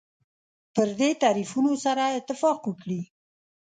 پر دې تعریفونو سره اتفاق وکړي.